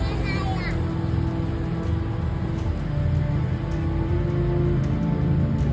สวัสดีครับคุณผู้ชาย